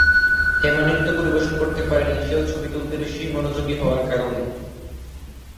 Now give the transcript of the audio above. হেমা নৃত্য পরিবেশন করতে পারেনি সেও ছবি তুলতে বেশি মনোযোগী হওয়ার কারণে।